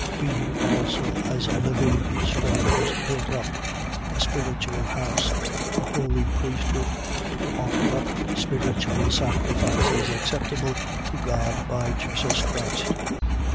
Be you also as living stones built up, a spiritual house, a holy priesthood, to offer up spiritual sacrifices, acceptable to God by Jesus Christ.